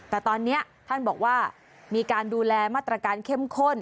แต่ตอนนี้ท่านบอกว่ามีการดูแลมาตรการเข้มข้น